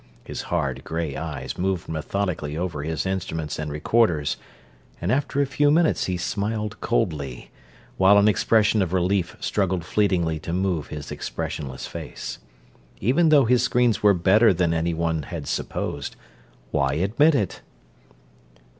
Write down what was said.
His hard gray eyes moved methodically over his instruments and recorders; and after a few minutes he smiled coldly, while an expression of relief struggled fleetingly to move his expressionless face. Even though his screens were better than anyone had supposed, why admit it?